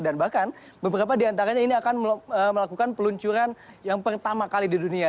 dan bahkan beberapa diantaranya ini akan melakukan peluncuran yang pertama kali di dunia